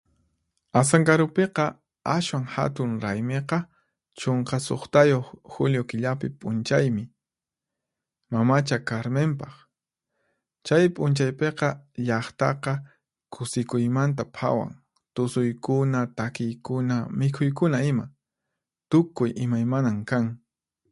Asankarupiqa ashwan hatun raymiqa chunka suqtayuq Juliu killapi p'unchaymi, Mamacha Carmenpaq. Chay p'unchaypiqa llaqtaqa kusikuymanta phawan, tusuykuna, takiykuna, mikhuykuna ima, tukuy imaymanan kan.